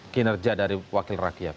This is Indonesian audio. kinerja dari wakil rakyat